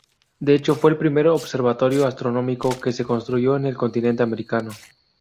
De hecho fue el primer observatorio astronómico que se construyó en el continente americano.